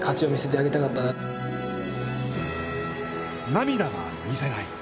涙は見せない。